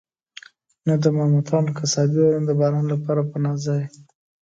نه د ماموتانو قصابي وه، نه د باران لپاره پناه ځای.